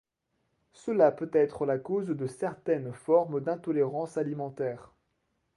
Cela peut être la cause de certaines formes d'intolérance alimentaire.